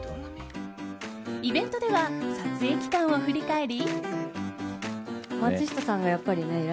イベントでは撮影期間を振り返り。